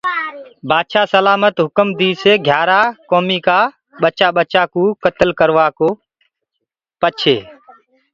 بآدشآه سلآمت هُڪم ديسي گھِيآرآ ڪوميٚ ڪآ ٻچآ ٻچآ ڪو ڪتل ڪرديئو پڇي